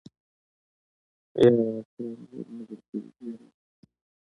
يره اکرم لور نه درکوي هېره يې که.